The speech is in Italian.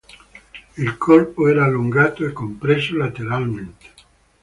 Il corpo era allungato e compresso lateralmente.